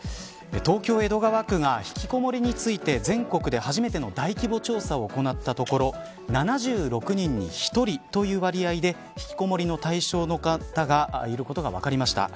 東京、江戸川区がひきこもりについて全国で初めての大規模調査を行ったところ７６人に１人という割合でひきこもりの対象の方がいることが分かりました。